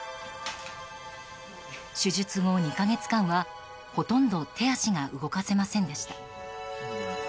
手術後、２か月間はほとんど手足が動かせませんでした。